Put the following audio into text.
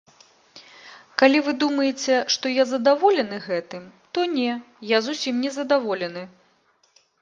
Калі вы думаеце, што я задаволены гэтым, то не, я зусім незадаволены.